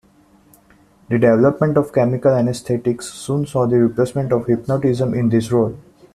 The development of chemical anesthetics soon saw the replacement of hypnotism in this role.